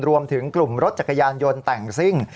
รวมถึงกลุ่มรถจักรยานยนต์แต่งซิ่ง